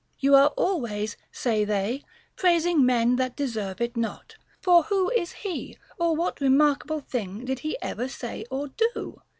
You are always, say they, praising men that deserve it not ; for who is he, or what remarkable thing did he ever say or do